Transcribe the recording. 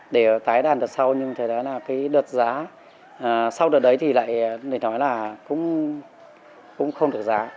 đợt tải đàn đợt sau nhưng đợt giá sau đợt đấy thì lại để nói là cũng không được giá